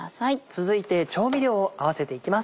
続いて調味料を合わせていきます。